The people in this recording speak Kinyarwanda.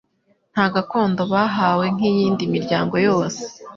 nta gakondo bahawe nk'iyindi miryango yose.